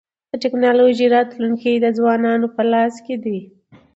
د ټکنالوژی راتلونکی د ځوانانو په لاس کي دی.